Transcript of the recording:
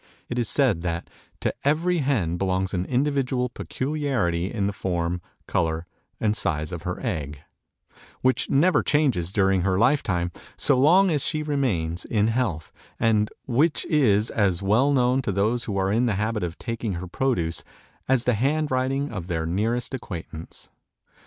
It is said that "to every hen belongs an individual peculiarity in the form, color, and size of her egg, which never changes during her life time, so long as she remains in health, and which is as well known to those who are in the habit of taking her produce, as the hand writing of their nearest acquaintance."